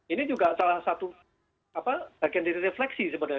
ini juga salah satu bagian dari refleksi sebenarnya